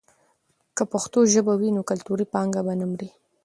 که پښتو ژبه وي، نو کلتوري پانګه به نه مړېږي.